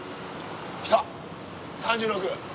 来た３６。